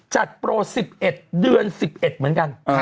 จัดโปร๑๑เดือน๑๑เหมือนกัน